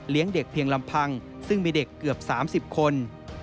เด็กเพียงลำพังซึ่งมีเด็กเกือบ๓๐คน